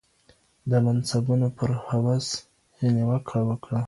د منصبونو پر هوس یې نیوکه وکړه